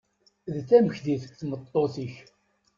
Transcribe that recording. D tamekdit tmeṭṭut-ik?